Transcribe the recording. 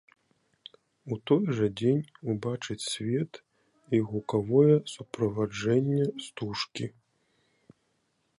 У той жа дзень убачыць свет і гукавое суправаджэнне стужкі.